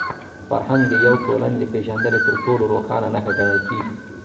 فرهنګ د یوې ټولني د پېژندني تر ټولو روښانه نښه ګڼل کېږي.